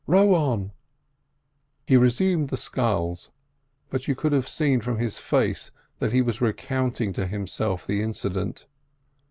"Row on." He resumed the sculls, but you could have seen from his face that he was recounting to himself the incident.